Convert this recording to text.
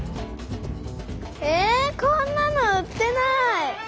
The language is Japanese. えこんなの売ってない！